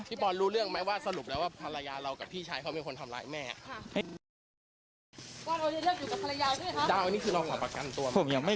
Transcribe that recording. พี่ปอลดาวกับภรรยาเรากับพี่สาวค่ะมีชายเขาอ่ะทราบป่ะยังไม่